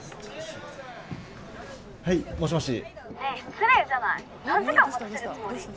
はいもしもし。